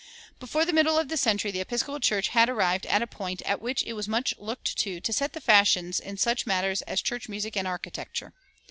"[392:1] Before the middle of the century the Episcopal Church had arrived at a point at which it was much looked to to set the fashions in such matters as church music and architecture.